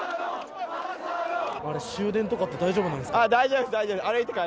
終電とかって大丈夫なんですか。